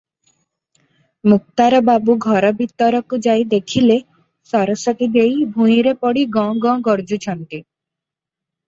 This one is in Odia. ମୁକ୍ତାର ବାବୁ ଘର ଭିତରକୁ ଯାଇ ଦେଖିଲେ, ସରସ୍ୱତୀ ଦେଈ ଭୂଇଁରେ ପଡି ଗଁ ଗଁ ଗର୍ଜୁଛନ୍ତି ।